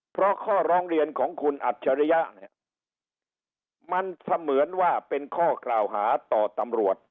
เพราะข้อร้องเรียนของคุณอัจฉริยะเนี่ยมันเสมือนว่าเป็นข้อกล่าวหาต่อตำรวจ